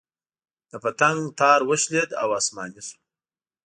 د پتنګ تار وشلېد او اسماني شو.